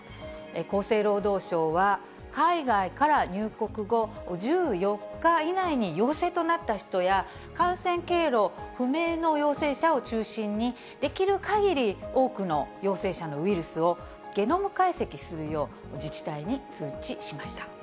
厚生労働省は、海外から入国後１４日以内に陽性となった人や、感染経路不明の陽性者を中心に、できるかぎり多くの陽性者のウイルスをゲノム解析するよう、自治体に通知しました。